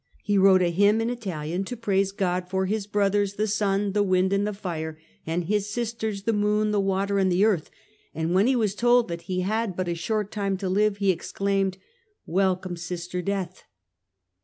He wrote a hymn in Italian to praise God for his brothers the sun, the wind, and the fire, and his sisters the moon, the water, and the earth ; and when he was told that he had but a short time to live he exclaimed, " Welcome, Sister Death